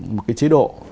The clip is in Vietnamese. một cái chế độ